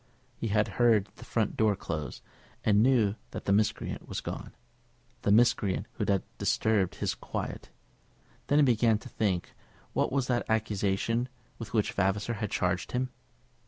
He had heard the front door closed, and knew that the miscreant was gone, the miscreant who had disturbed his quiet. Then he began to think what was the accusation with which Vavasor had charged him.